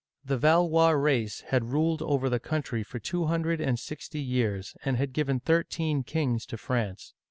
The Valois race had ruled over the country for two hundred and sixty years, and had given thirteen kings to France.